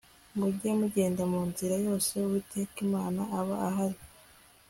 mujye mugenda mu nzira yose uwiteka iman aaba ahari